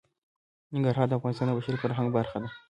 ننګرهار د افغانستان د بشري فرهنګ برخه ده.